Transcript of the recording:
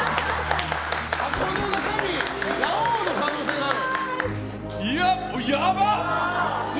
箱の中身ラオウの可能性がある？